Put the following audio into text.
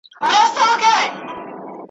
د تورو شپو په لړمانه کي به ډېوې بلېدې ,